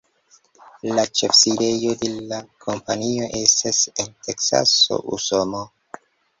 La ĉefsidejo de la kompanio estas en Teksaso, Usono.